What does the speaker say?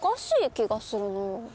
気がするのよ。